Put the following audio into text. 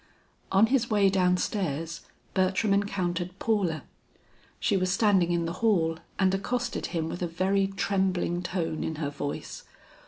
On his way down stairs Bertram encountered Paula. She was standing in the hall and accosted him with a very trembling tone in her voice.